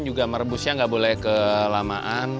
juga merebusnya nggak boleh kelamaan